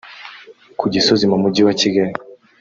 Ku Gisozi mu mujyi wa Kigali